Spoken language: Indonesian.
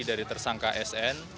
dari tersangka sn